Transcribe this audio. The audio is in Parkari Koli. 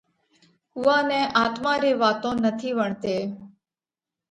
اُوئا نئہ آتما ري واتون نٿِي وڻتي۔